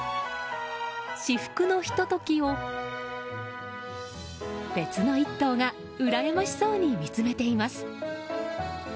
至福のひと時を、別の１頭がうらやましそうに見つめています。